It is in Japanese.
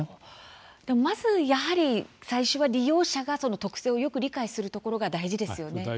でもまずやはり最初は利用者がその特性を理解することが大事ですね。